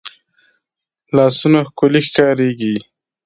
لاسونه ښکلې ښکارېږي